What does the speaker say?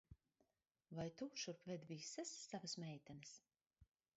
Vai tu šurp ved visas savas meitenes?